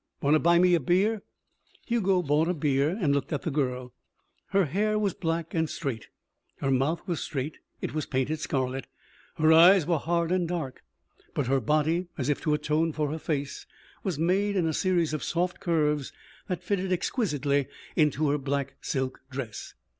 "Wanna buy me a beer?" Hugo bought a beer and looked at the girl. Her hair was black and straight. Her mouth was straight. It was painted scarlet. Her eyes were hard and dark. But her body, as if to atone for her face, was made in a series of soft curves that fitted exquisitely into her black silk dress.